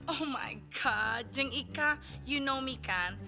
oh my god jeng ika you know me kan